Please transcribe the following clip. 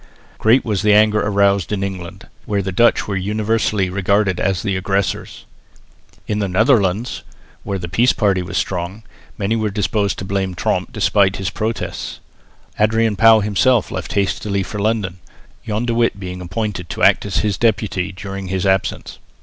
Great was the anger aroused in England, where the Dutch were universally regarded as the aggressors. In the Netherlands, where the peace party was strong, many were disposed to blame Tromp despite his protests. Adrian Pauw himself left hastily for London, John de Witt being appointed to act as his deputy during his absence.